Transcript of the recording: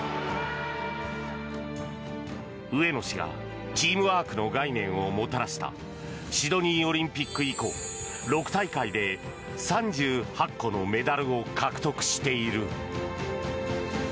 上野氏がチームワークの概念をもたらしたシドニーオリンピック以降６大会で３８個のメダルを獲得している。